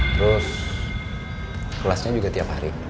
terus kelasnya juga tiap hari